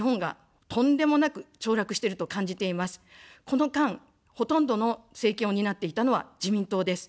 この間、ほとんどの政権を担っていたのは自民党です。